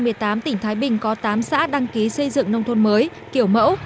năm hai nghìn tám tỉnh thái bình có tám xã đăng ký xây dựng nông thôn mới kiểu mẫu